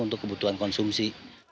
untuk memenuhi kebutuhan konsumsi